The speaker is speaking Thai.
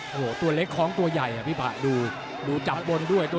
โห้ตัวเล็กของตัวใหญ่